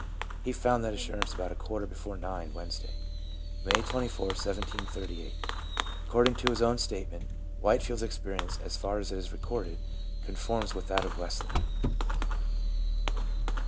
He found that assurance about a quarter before nine Wednesday, May 24th, 1738, according to his own statement. White field's experience, as far as it is recorded, conforms with that of Wesley.